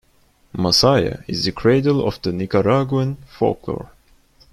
Masaya is the cradle of the Nicaraguan folklore.